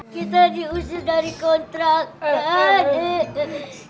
kita diusir dari kontrakan